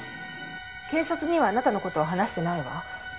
警察にはあなたの事は話してないわ。